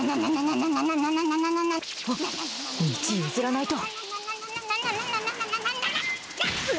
道を譲らないと。